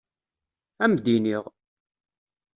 Ad m-d-iniɣ.